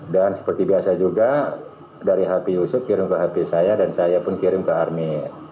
dan seperti biasa juga dari hp yusuf kirim ke hp saya dan saya pun kirim ke army